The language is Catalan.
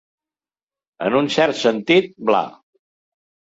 En un cert sentit, bla.